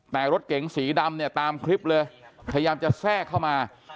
แต่รถเก๋งสีดำเนี่ยตามคลิปเลยพยายามจะแทรกเข้ามา